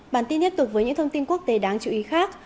bản tin tiếp tục với những thông tin quốc tế đáng chú ý khác